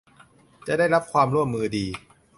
จะได้รับความร่วมมือดี